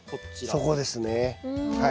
そこですねはい。